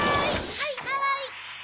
はいはい。